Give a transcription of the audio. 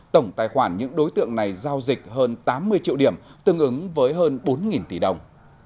tổng tài khoản những đối tượng này giao dịch hơn tám mươi triệu điểm tương ứng với hơn bốn tỷ đồng